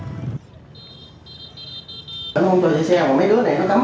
đến hôm tuổi xe xe của mấy đứa này nó cấm